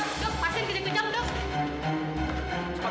ya allah elita elita